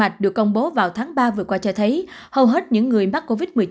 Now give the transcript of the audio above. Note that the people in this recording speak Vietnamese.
mạch được công bố vào tháng ba vừa qua cho thấy hầu hết những người mắc covid một mươi chín